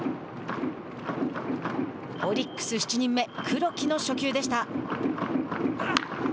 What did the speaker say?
オリックス７人目黒木の初球でした。